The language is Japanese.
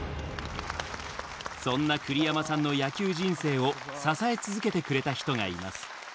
そんな栗山さんの野球人生を支え続けてくれた人がいます。